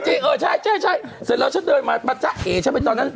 จริงเออใช่เสร็จแล้วฉันเดินมาปะจ๊ะเอฉันไปตอนนั้น